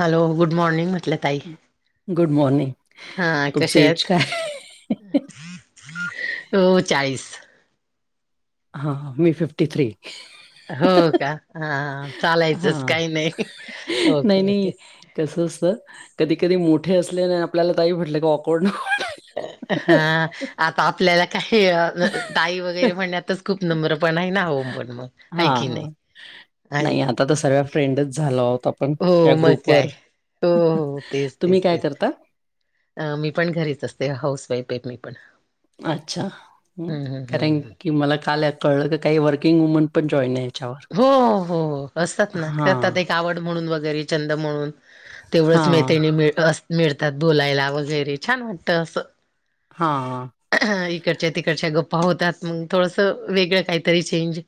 Hello, good morning म्हटलं ताई. Good morning हा तुमचं कशा एज आहेत? काय? हो चाळीस. हा मी फिफ्टी थ्री. हो का, हा चालायचंच हां. काही नाही ओके ओके. कस असत कधी कधी मोठे असले आणि आपल्याला ताई म्हटलं की ऑफ वर्ड हा. आता आपल्याला काही ताई वगैरे म्हणण्यातच खूप नम्र पण आहे ना हो पण मग. हाय की नाही. हां. आहे नाही आता तर सगळ्या फ्रेंडच झाला होत आपण या हो मग ग्रुपवर. काय, हो तेच, तुम्ही तेच, काय तेच करता? अ मी पण घरीच असते हाऊस वाईफ आहे मी पण. अच्छा! हम्म हम्म कारण हम्म की मला काल आहे कळलं का काही वर्किंग वुमन पण जॉईन आहे. याच्यावर. हो हो असतात ना हां, करतात एक आवड म्हणून वगैरे छंद म्हणून तेवढंच हां, मैत्रिणी अस मिळतात बोलायला वगैरे छान वाटत असं हा. इकडच्या तिकडच्या गप्पा होतात मग थोडसं वेगळं काहीतरी चेंज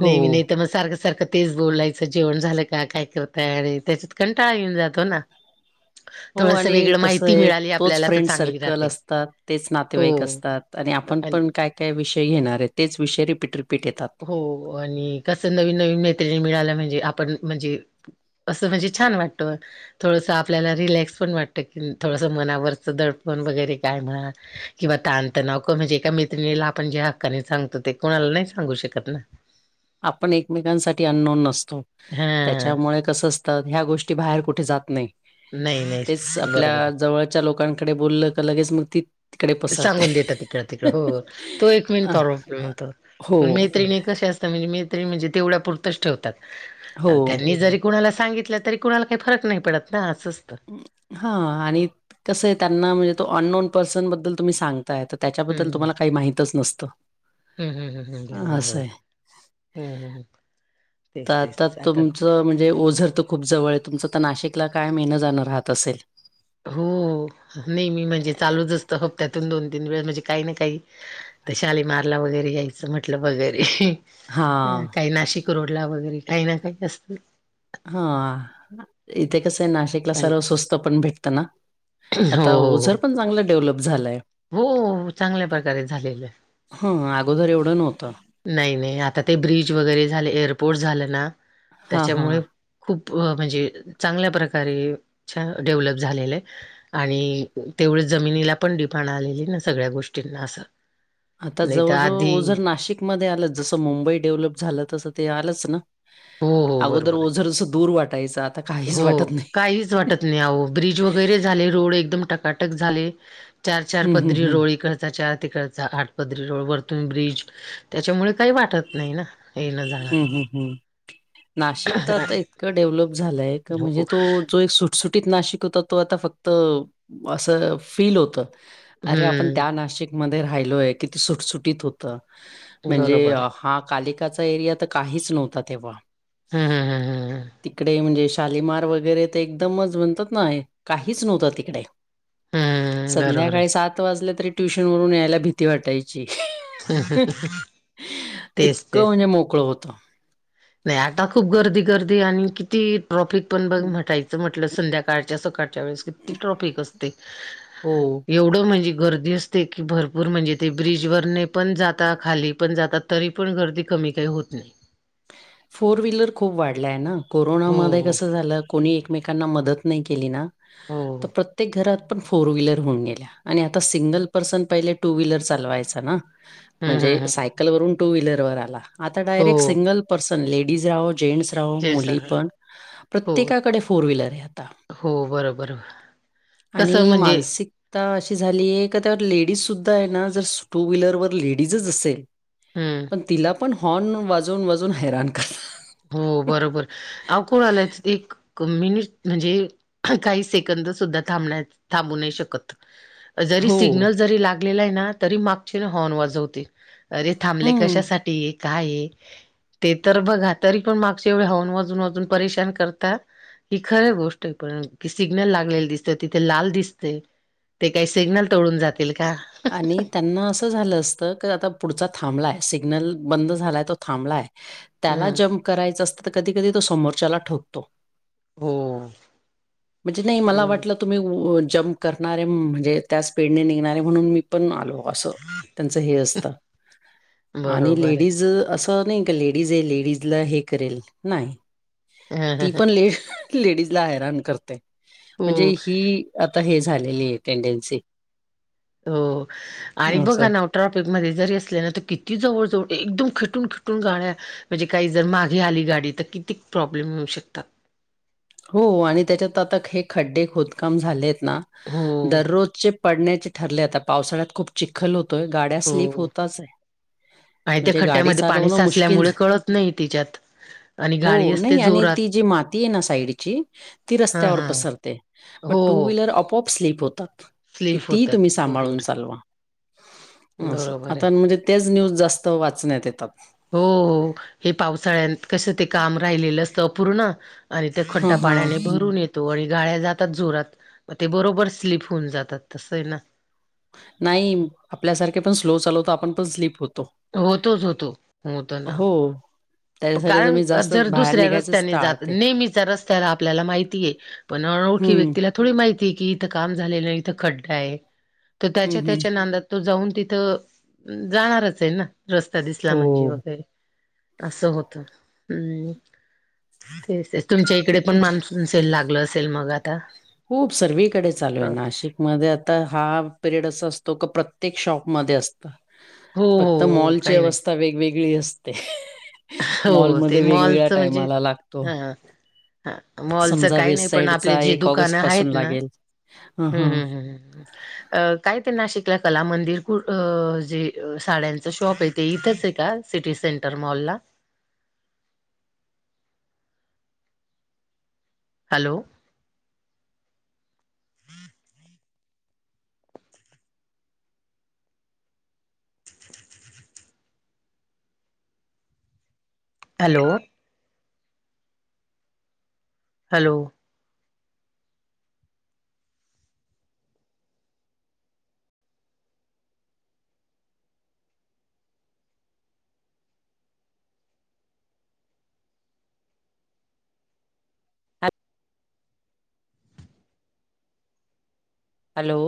हो. ते बी नाही तर मग सारखं सारखं तेच बोलायचं जेवण झालं का काय करतय आणि त्याच्यात कंटाळ येऊन जातो ना. हो थोडस आणि वेगळं कसं माहिती आहे मिळाली तोच आपल्याला तर फ्रेंड चांगली सर्कल राहते असतात तेच हो नातेवाईक असतात आणि आपण पण काय काय विषय घेणार आहेत तेच विषय रिपीट रिपीट येतात. हो आणि कसं नवीन नवीन मैत्रिणी मिळालं म्हणजे आपण म्हणजे असं म्हणजे छान वाटतं. थोडंसं आपल्याला रिलॅक्स पण वाटतं की थोडंसं मनावरचं दडपण वगैरे काय म्हणा. किंवा ताणतणाव म्हणजे एका मैत्रिणीला आपण ज्या हक्काने सांगतो ते कुणाला नाही सांगू शकत ना. आपण एकमेकांसाठी अन्नोन नसतो हा त्याच्यामुळे कस असत ह्या गोष्टी बाहेर कुठे जात नाही. नाही, नाही. तेच बरोबर आपल्या आहे. जवळच्या लोकांकडे बोललं का लगेच मग ती तिकडे पसरते. सांगून देतात हिकडं, तिकडं, हो तो एक मेन अ, प्रोब्लेम अ, होतो. हो, पण मैत्रिणी कसे असतात म्हणजे मैत्रिणी म्हणजे तेवढ्या पुरतच हो. ठेवतात त्यांनी ज कुणाला सांगितलं तरी कुणाला काही फरक नाही पडत ना असं असत. ह आणि कसं आहे त्यांना म्हणजे तो अन नोन पर्सन बद्दल तुम्ही सांग त्याच्याबद्दल हम्म. तुम्हाला काही माहितच नसत. हम्म हम्म हम्म हम्म बरोबर आहे असंय बरोबर हम्म, हम्म, तर तेच, तेच, आता तुमचं म्हणजे ओझर तर खूप जवळ आहे तुमचं तर नाशिकला कायम येणं जाणं राहत असेल. हो नेहमी म्हणजे चालूच असतं हप्त्यातून दोन तीन वेळा म्हणजे काही ना काही तर शाली मारला वगैरे यायचं म्हटलं वगैरे अ हां, काही नाशिक रोडला वगैरे काही ना काही असत. हा इथे कसं आहे नाशिकला पण सर्व स्वस्त पण भेटतं ना. आता हो ओझर पण चांगलं डेव्हलप झालंय. हो चांगल्या प्रकारे झालेलं आहे. हं अगोदर एवढं नव्हतं. नाही नाही आता ते ब्रिज वगैरे झाले एअरपोर्ट झालं ना हां, हां. त्याच्यामुळे खूप म्हणजे चांगल्या प्रकारे छान डेव्हलप झालेलं आहे. आणि तेवढं जमिनीला पण डिफहान आलेली ना सगळ्या गोष्टींना असं आता नाही तर आधी जवळजवळ जर नाशिकमध्ये आलंच जसं मुंबई डेव्हलप झालं तसं ते आलंच ना हो हो अगोदर बरोबर ओझरस दूर वाटायचं आता काहीच वाटत नाही नाहीच वाटत नाय ओ ब्रिज वगैरे झाले रोड एकदम टकाटक झाले. चार, चार हं, हं, पदरी हं. रोड इकडचाचार तिकडचा चार. हा घाट पदरी रोड वरतूून ब्रिज त्याच्यामुळे काही वाटत नाही ना येन जा हंम हंम नाशिक त आता इतक डेव्हलप झालय हो म्हणजे तो जो एक सो सुटसुटीत नाशिक होता तो आता फक्त असं फील होत. अरे आपण हम्म त्या नाशिकमध्ये राहिलोय किती सुटसुटीत होत. म्हणजे बरोबर आहे हा कालिकाचा एरिया तर काहीच नव्हता तेव्हा हम्म हम्म हम्म हम्म [inaudible] तिकडे म्हणजे शालिमार वगैरे तर एकदमच म्हणतात ना काहीच नव्हतं तिकडे. हम्म बरोबर आहे संध्याकाळी सात वाजले तरी ट्युशन वरून यायला भीती वाटायची. [unintelligible] तेच इतकं तेच म्हणजे मोकळं होत. नाही आता खूप गर्दी गर्दी आणि किती ट्रॉफिक पण बघ म्हटायचं म्हटलं संध्याकाळ सकाळच्या सकाळच्या वेळेस किती ट्रॉफिक असते? हो. एवढं म्हणजे गर्दी असते की भरपूर म्हणजे ते ब्रिजवररने पण जातात खाली पण जातात. तरी पण गर्दी कमी काही होत नाही. फोर व्हीलर खूप वाढलाय ना हो कोरोनामध्ये कस झालं? कोणी एकमेकांना मदत नाही केली ना हो हो तर प्रत्येक घरात, पण फोर व्हीलर होऊन गेल्या आणि आता सिंगल पर्सन पहिले टू व्हीलर चालवायचा ना हम्म म्हणजे हम्म हम्म सायकल वरून, टू व्हीलरवर आला, आता हो डायरेक्ट सिंगल पर्स लेडीज राहो जेंटस जैसा मुली पण हो प्रत्येका कडे फोर व्हीलर आहे आता हो बरोबर कसं आणि म्हणजे मानसिक तर अशी झालीय का त्यावर लेडीज सुुद्धा आहे ना जर टू व्हीलरवर लेडीजच असेल. हम्म पण तिला पण हॉर्न वाजून वाजून हैराण कर हो बरोबर अव कोण आलायच एक क मी म्हणजे काही सेकंद सुद्धा थाबण्यात थांबू नाही शकत जरी हो. सिग्नल जरी लागलेला आहे ना तरी मागची हॉर्न वाजवतील. अरे थांबले हं. कशासाठी काय ये ते तर बघाल तरी पण मागचे एवढे हॉर्न वाजून वाजून परेशान करतात. ही खरं गोष्ट आहे पण की सिग्नल लागलेलं दिसत तिथे लाल दिसतयं. ते काय सिग्नल तोडून जातील का? आणि त्यांना असं झालं असतं की आता पुढचा थांबलाय सिग्नल बंद झालाय तो थांबलाय. त्याला हम्म. जम्प करायच असतं तर कधी कधी तो समोरच्याला ठोकतो. हो. म्हणजे नाही मला हम्म वाटलं तुम्ही जम्प करणारे म्हणजे त्या स्पीड न निघणारे म्हणून मी पण आलो अस त्यांच हे असत आणि बरोबर आहे. लेडीज नाही का लेडीज आहे लेडीज ला हे करेल नाही ती पण ले लेडीज ला हैरान करते हो म्हणजे ही आता हे झालेली आहे टेंडेन्सी हो आणि बघा असं. ना, ट्रॉफिक मध्ये जरी असल्या ना तर किती जवळजवळ एकदम खटून खटून गाड्या, म्हणजे काही जर मागे आली गाडी तर किती प्रॉब्लेम होऊ शकतात. हो आणि त्याच्यात आता हे खड्डे खोदकाम झालेत ना हा दररोजचे पडण्याचे ठरले आता पावसाळ्यात खूप चिखल होतोय गाड्या स्लीप हो. होताच आहे. आणि त्या म्हणजे गाडी खड्ड्यामध्ये पाणी चालवणं मुश्किल साचल्यामुळे झ- कळत नाही तिच्यात आणि हो गाडी असते नाही आणि जोरात ती जी माती आहे ना साईडची ती हा रस्त्यावर हा. पसरते हो मग टू हो व्हीलर अपप स्लीप होतात. स्लीप किती होतात तुम्ही सांभाळून बरोबर चालवा. ं बरोबर आहे आता म्हणजे तेच न्यूज जास्त वाचण्यात येतात हो हे पावसाळ्यात कसं ते काम राहिलेलं असतं अपूर्ण आणि ते खड्डा हां, हां. पाण्याने भरून येत. तो आणि गाळ्या जातात जोरात मग ते बरोबर स्लीप होऊन जातात तसं आहे ना. नाही आपल्यासारखे पण स्लो चालवतो आपण पण स्लीप होतो होतोच होतो होत ना हो, त्याच्यासाठी तर कारण मी जास्तच जर बाहेर दुसऱ्या निघायचंच रस्त्याने जात टाळते. नेहमीच्या रस्त्याला आपल्याला माहितीय पण ओळखी हं, व्यक्तीला थोडी माहितीय की इथं काम झालेलं इथं खड्डा आहे तर हं, त्याच्या हं. त्याच्या नांदात तो जाऊन तिथं जाणारच आहे ना रस्ता दिसला हो, म्हणजे वगैरे तं होत हम् तेच तेच तुमच्या तर इकडे पण त्याच्या माणस तेेल लागलं असेल मग आता खूप सर्वीकडे चालू आहे हो नाशिक मध्ये आता हा पिरियड असं असतो क प्रत्येक शॉप मध्ये असत फक्त हो मॉलची काही नाही अवस्था वेगवेगळी असते हो ते मॉलमध्ये वेगवेगळ्या मॉलच म्हणजे टायमाला लागतो. हा हा मॉलचं समजा काही नाही वेस्ट पण आपले साईडचा जे एक दुकानं ऑगस्ट पासून आहेत ना लागेल. हं, ह् हं. ह् अ काय ते नाशिकला कला मंदिर कु जे साड्यांचं शॉप आहे ते इथंच आहे का? सिटी सेंटर मॉल्ला हॅलो हॅलो हॅलो. हॅलो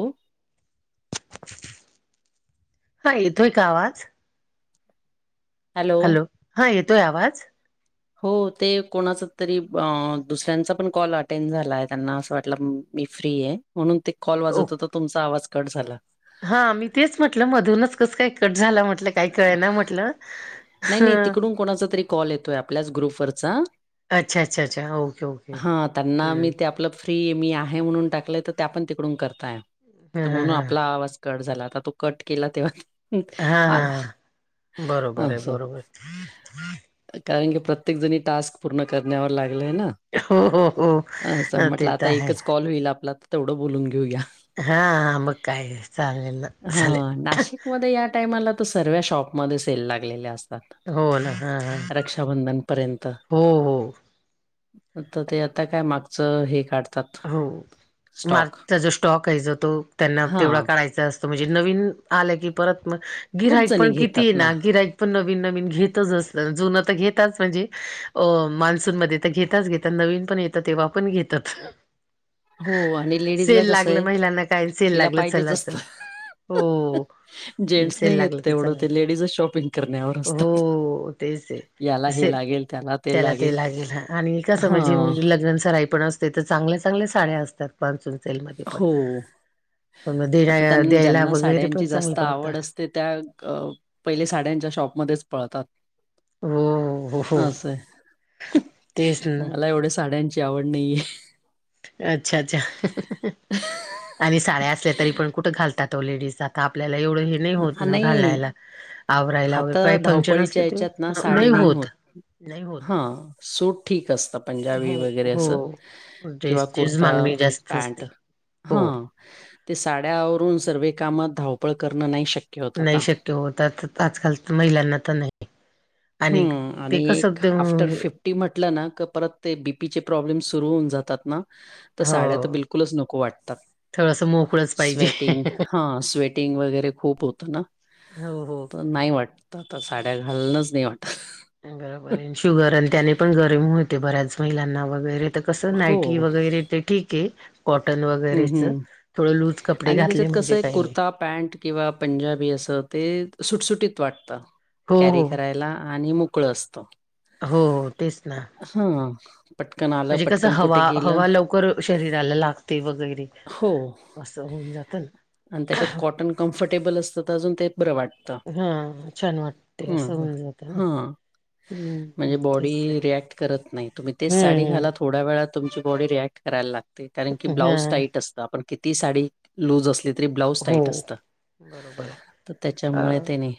हा येतोय का आवाज? हॅलो हा येतोय आवाज? हो ते कोणाच तरी दुसऱ्यांचा पण कॉल अटेंड झाला आहे त्यांना असं वाटलं. मी फ्री आहे म्हणून ते कॉल ओ वाजवत हो तर तुमचा आवाज कट झाला. हा मी तेच म्हटलं मधूनच कसं का कट झालं म्हटलं. काही कळे ना म्हटलं नाही, ह. नाही तिकडून कोणाचा तरी कॉल येतोय आपल्याच ग्रुप वरचा. अच्छा, अच्छा, अच्छा. Okay, okay. हा त्यांना मी हं. ते आपलं फ्री मी आहे म्हणून टाकलंय तर त्या पण तिकडून करताय हां, हां, म्हणून हां. आपला आवाज कट झाला आता तो कट केला तेव्हा हां, आला हां. अ बरोबर आहे, सर बरोबर. कारण की प्रत्येक जणी टास्क पूर्ण करण्यावर लागलेय ना हो हो असं हो म्हटलं ते आता तर ह एकच कॉल होईल आपला तर तेवढं बोलून घेऊया हा आ ब काय चाग ना सले त्या टाइमाला तो सर्व्या शॉपमध्ये सेल लागलेल्या असत हो ना. हां, हां. रक्षाबंधन पर्यंत हो, हो. तर ते आता काय मागचं हे काढत हो मार्कचा जो स्टॉक आहे जो तो त्यांना तेवढा हां, काढायचा अस म्हणजे नवीन आलं की परत मग खूप गिराईक जणी पण किती आहे घेतात ना गिराक पण नवीन नवीन घेतच अस जुन तर घेताच म्हणजे अ मान्सूनमध्येध्ये तर घेताच घेत नवीन पण येतात तेव्हा पण घेतात हो. लेडीजला सेल कसं लागल आहे महिलांना काय सेल तिला लागल पाहिजेच चला असतं. चला हो. जेंट्स ेल नाही घेत लागल की तेवढं चलाय ते लेडीजच शॉपिंग करण्यावर असतात. हो तेच आहे. असे त्याला ते लागेल आणि कसं म्हणजे हां, लग्न स राई पण. तिथे चांगल्या चांगल्या साड्या असतात मान्सून. ण हो. पण आता देण्या द्यायला वगैरे पण चांगलं परवत. ते त्या पहिले साड्यांच्या शॉपमध्येच पळतात. हो हो हो असय तेच ना मला एवढे साड्यां. ची आवड नाहीये. अच्छा अच्छा आणि साड्या असल्या तरी पण कुठं घालतात. लेडीज आता आपल्याला एवढं हे. नाही होत आ, न नाही घाललायला आवरायला वगैरे आता काही फंक्शन धावपळीच्या असलं ते नाही होत. नाही होत. हा सूट ठीक असत पंजाबी हो वगैरे हो असं. किंवा ड्रेसचीच कुर्ता मागणी जास्त असते पँन्ट हा हो ते साड्यावरून सर्व काम धावपळ करण नाही शकत. नाही शक्य होत आजकाल महिलांना तर नाही. आणि ते कसं. ी म्हटलं ना क परत ते बीपीचे प्रॉब्लेम सुरु होऊन जातात ना. तर साड्या तर हो बिलकुलच नको वाटतात थोडसं मोकळंच पाहिजे स्वेटिंग. हां स्वेटिंग वगैरे खूप होतं ना. हो हो. तर नाही वाटतं तर साड्या घालणंच नाही वाटत. बरोबर आहे शुगर आणि त्याने पण गरम होते बऱ्याच महिलांना वगैरे. कस हो. नाईटी वगैरे ते ठीक आहे. कॉटन हं, वगैरेचं हं. थोडं लूज कपडे आणि त्याच्यात घातले कसं म्हणजे आहे काही नाही. कुर्ता, पॅन्ट किंवा पंजाबी असं ते सुटसुटीत वाटतं. हो कॅरी हो करायला आणि मोकळ असतो. हो हो तेच ना. हा. म्हणजे कस हवा हवा लवकर शरीराला लागते वगैरे. हो असं होऊन जातं ना आणि त्याच्यात कॉटन कम्फर्टेबल असतं तर अजून ते बरं वाटत. हा छान वाटते असं होऊन जातं ना. हां. हम्म म्हणजे तेच बॉडी रिएक्ट करत नाही तुम्ही तेच साडी घालात. हम्म थोड्या वेळा तुमची बॉडी रिॲक्ट करायला लागते कारण की हा ब्लाउज टाईट असतं आपण किती साडी लूज असली. ब्लाउज हो टाईट असत बरोबर आहे तर अ त्याच्यामुळे त्यानी.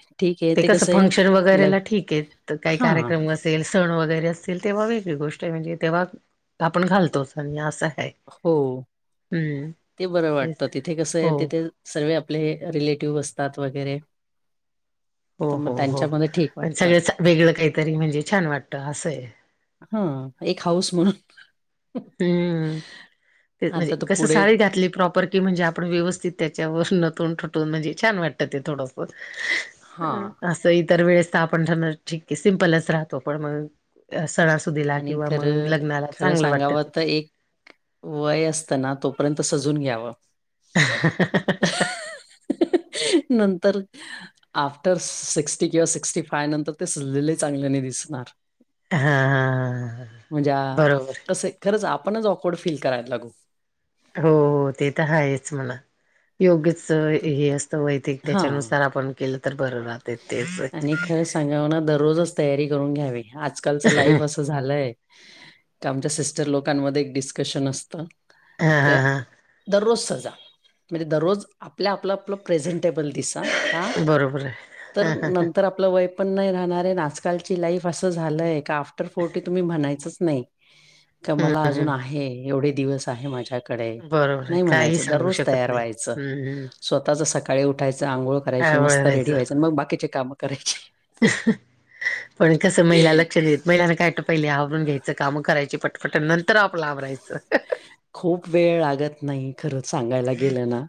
ते कसं फंक्शन वगैरेला ठीक आहे काही हां. कार्यक्रम. अस सण वगैरे असतील तेव्हा वेगळी गोष्ट आहे म्हणजे तेव्हा आपण घालतोच आणि असं आहे. हो हम्म ते बरं तेच वाटतं तिथे कस आहे हो तिथे. सर्व आपले रिलेटिव्ह असतात वगैरे. हो तर हो मग हो त्यांच्यामध्ये ठीक वाटतं. सगळं वेगळं काहीतरी म्हणजे छान वाटतं असं आहे. हा एक हाऊस म्हणून. हम्म ते म्हणजे आता तर कस पुढे साडी घातली प्रॉपर. की म्हणजे आपण व्यवस्थित त्याच्यावर नतून ठटून म्हणजे छान वाटतं ते थोडंफ हां असं इतर वेळेस तर आपण ठीक सिम्पलच राहतो पण मग सणासुदीला आणि किंवा मग खरं लग्नाला खरं चांगलं वाटतं. सांगावं तर ते एक वय असताना तोपर्यंत सजून घ्यावं. [inaudible] नंतर. आफ्टर सिक्स्टी किंवा सिक्स्टी फाय नंतर ते सुजलेले चांगल्याने दिसणार. हा हा हा हा म्हणजे आ बरोबर कसय खरंच आपणच ऑफवर्ड फील करायला लागू. हो हो ते तर हायच म्हणा. योग्यच तर हे असतं वय ते हां. त्याच्यानुसार आपण केलं तर बरं राहत तेच आणि खरं दररोजच तयारी करून घ्यावी आजकालच लाईफ अस झालंय आमच्या सिस्टर लोकांमध्ये एक डिस्कशन असतं. हा हा क हा दररोज सजा म्हणजे दररोज आपल्या आपलं आपलं प्रेझेंटेबल दिसा का बरोबर हाय. तर नंतर आपलं वय पण नाही राहणार आहे आजकालची लाईफ असं झालंय का आफ्टर फोर्टी तुम्ही म्हणायचंच नाही. [unintelligible] क मला अजून ह आहे एवढे दिवस आहे माझ्या कडे बरोबर आहे नाही काही म्हणायचं सांगू दररोज शकत तयार नाही व्हायचं. हम्म हम्म स्वतःच सकाळी उठायचं आंघोळ करायची आवळ मस्त रेडी राहायचं व्हायचं मग बाकीची कामं करायची. पण कसं महिला लक्ष देत नाही महिलांना काय पहिले आवरून घ्यायचं काम करायची पट ट नंतर आपल आवरायचं खूप वेळ लागत नाही खरं सांगायला गेलं ना.